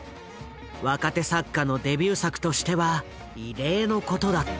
若手作家のデビュー作としては異例のことだった。